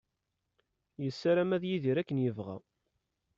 Yessaram ad yidir akken yebɣa.